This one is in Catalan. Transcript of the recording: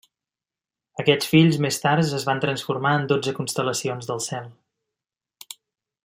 Aquests fills, més tard, es van transformar en dotze constel·lacions del cel.